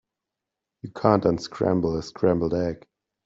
You can't unscramble a scrambled egg.